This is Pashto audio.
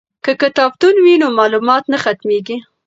که کتابتون وي نو معلومات نه ختمیږي.